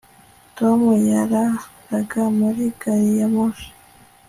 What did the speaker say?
Tom yararaga muri gari ya moshi